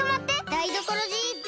ダイドコロジーＺ！